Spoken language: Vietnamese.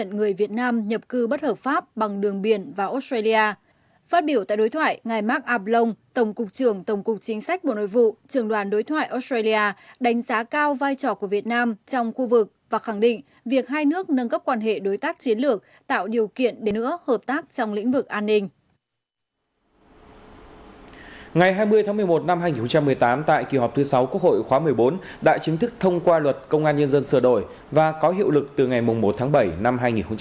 ngày hai mươi tháng một mươi một năm hai nghìn một mươi tám tại kỳ họp thứ sáu quốc hội khóa một mươi bốn đã chính thức thông qua luật công an nhân dân sửa đổi và có hiệu lực từ ngày một tháng bảy năm hai nghìn một mươi chín